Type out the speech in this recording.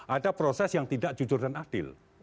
ada proses yang tidak jujur dan adil